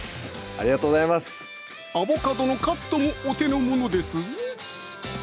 ありがとうございますアボカドのカットもお手の物ですぞ